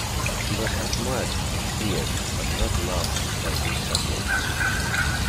He was admired and feared but not loved by his subjects.